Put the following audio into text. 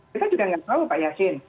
saya juga tidak tahu pak yasin